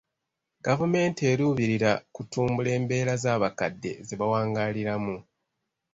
Gavumenti eruubirira kutumbula mbeera z'abakadde ze bawangaaliramu.